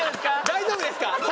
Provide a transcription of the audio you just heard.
大丈夫ですか？